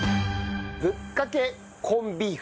ぶっかけコンビーフ。